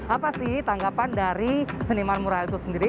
apa sih tanggapan dari seniman mural itu sendiri